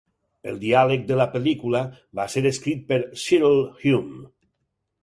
El diàleg de la pel·lícula va ser escrit per Cyril Hume.